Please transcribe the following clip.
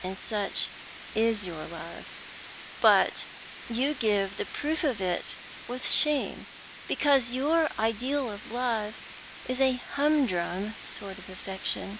And such is your love; but you give the proof of it with shame, because your ideal of love is a humdrum sort of affection.